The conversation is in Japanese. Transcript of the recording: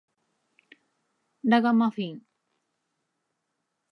ラガマフィン